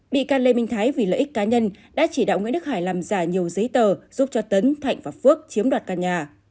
bị can lê minh thái vì lợi ích cá nhân đã chỉ đạo nguyễn đức hải làm giả nhiều giấy tờ giúp cho tấn thạnh và phước chiếm đoạt căn nhà